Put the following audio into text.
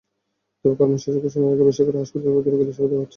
তবে কর্মসূচি ঘোষণার আগে বেসরকারি হাসপাতালে ভর্তি রোগীদের সেবা দেওয়া হচ্ছে।